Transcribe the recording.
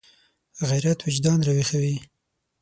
غیرت وجدان راویښوي